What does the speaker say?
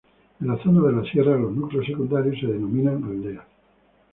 En la zona de la sierra los núcleos secundarios se denominan aldeas.